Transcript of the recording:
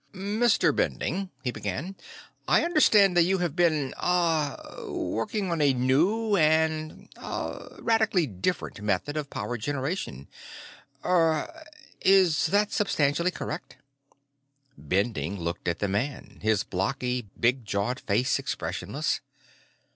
"Mr. Bending," he began, "I understand that you have been ... ah ... working on a new and ... ah ... radically different method of power generation. Er ... is that substantially correct?" Bending looked at the man, his blocky, big jawed face expressionless.